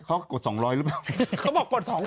เพราะเขาบอกกด๒๐๐๐